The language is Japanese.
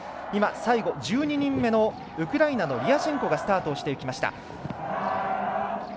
今、最後、１２人目のウクライナのリアシェンコがスタートしていきました。